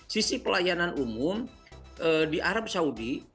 sisi pelayanan umum di arab saudi